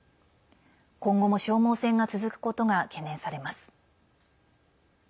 今後も、消耗戦が続くことが懸念されます。